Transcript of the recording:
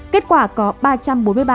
kết quả có ba trăm bốn mươi ba xã phường